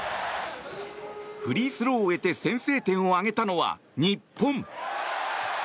フリースローを得て先制点を挙げたのは日本。